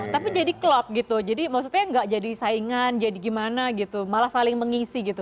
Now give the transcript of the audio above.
tapi jadi klop gitu jadi maksudnya nggak jadi saingan jadi gimana gitu malah saling mengisi gitu